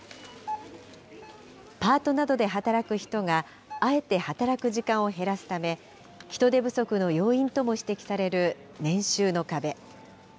パートなどで働く人が、あえて働く時間を減らすため、人手不足の要因とも指摘される年収の壁。